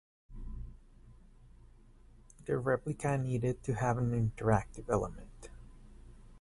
The replica needed to have an interactive element.